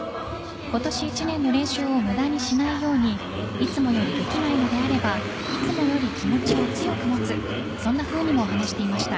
今年１年の練習を無駄にしないようにいつもよりできないのであればいつもより気持ちを強く持つそんなふうにも話していました。